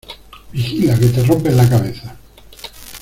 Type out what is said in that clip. Vigila, ¡que te rompes la cabeza!